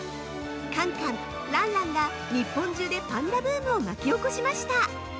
カンカン・ランランが日本中でパンダブームを巻き起こしました！